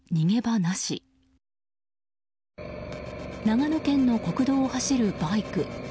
長野県の国道を走るバイク。